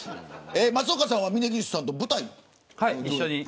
松岡さんは峯岸さんと舞台に。